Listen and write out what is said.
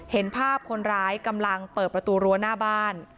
เห็นภาพคนร้ายกำลังเปิดประตูรั้วหน้าบ้าน